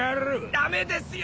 ダメですよ！